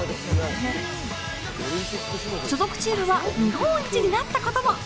所属チームは日本一になったことも！